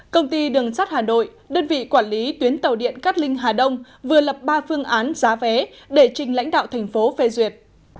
công ty đường sắt hà nội đơn vị quản lý tuyến tàu điện cát linh hà đông vừa lập ba phương án giá vé để trình lãnh đạo thành phố phê duyệt